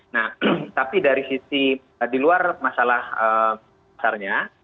nah tapi dari sisi di luar masalah besarnya